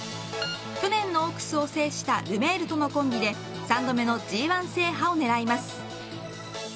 去年のオークスを制したルメールとのコンビで３度目のＧ１制覇を狙います。